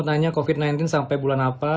saya mau tanya covid sembilan belas sampai bulan apa